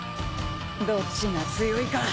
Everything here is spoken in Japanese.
どっちが強いか。